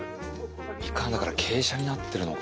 みかんだから傾斜になってるのか。